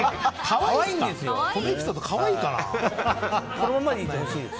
可愛いですか？